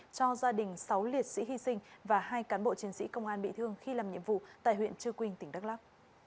cho gia đình sáu liệt sĩ hy sinh và hai cán bộ chiến sĩ công an bị thương khi làm nhiệm vụ tại huyện trư quynh tỉnh đắk lắc